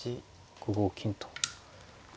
６五金と。